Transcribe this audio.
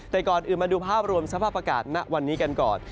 แต่ก่อนอื่นมาดูภาพรวมสภาพอากาศณวันนี้กันก่อน